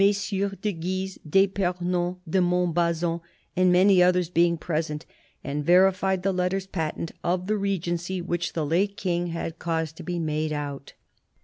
de Guise, d'fipernon, de Montbazon and many others being present, and verified the letters patent of the Regency which the late King had caused to be made out."